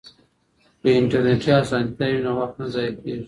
که انټرنیټي اسانتیا وي نو وخت نه ضایع کیږي.